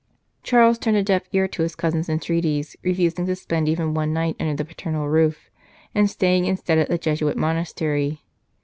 Charles turned a deaf ear to his cousin s 231 St. Charles Borromeo entreaties, refusing to spend even one night under the paternal roof, and staying instead at the Jesuit monastery.